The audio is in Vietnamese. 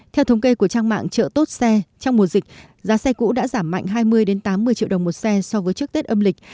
theo thống kê của trang mạng trợ tốt xe trong mùa dịch giá xe cũ đã giảm mạnh hai mươi tám mươi triệu đồng một xe so với trước tết âm lịch